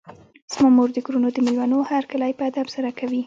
زما مور د کورونو د مېلمنو هرکلی په ادب سره کوي.